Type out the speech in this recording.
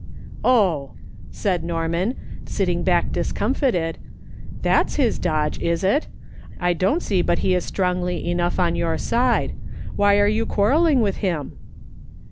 " Oh," said Norman, sitting back discomfited, " that's his dodge, is it ? I don't see but he is stron^lv enough on your side ; why are you quarrelling with him?"